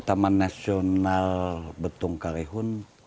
taman nasional betung karehun